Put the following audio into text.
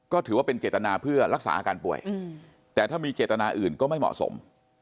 ก็ถือว่าเป็นเจตนาเพื่อรักษาอาการป่วยแต่ถ้ามีเจตนาอื่นก็ไม่เหมาะสม